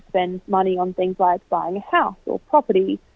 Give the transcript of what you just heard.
sementara sekarang generasi kita